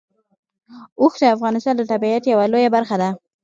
اوښ د افغانستان د طبیعت یوه لویه برخه ده.